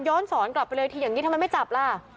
สอนกลับไปเลยทีอย่างนี้ทำไมไม่จับล่ะ